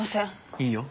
いいよ。